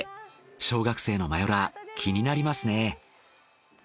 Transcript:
小学生のマヨラー気になりますね。